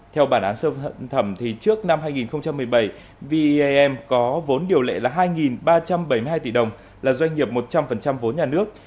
theo bản án sơ thẩm trước năm hai nghìn một mươi bảy vam có vốn điều lệ là hai ba trăm bảy mươi hai tỷ đồng là doanh nghiệp một trăm linh vốn nhà nước